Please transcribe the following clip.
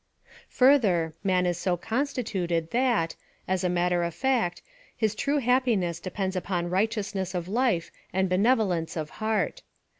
Further, man is so constituted, that, as a matter of fact, his true happiness depends upon righteous ness of life and benevolence of heart.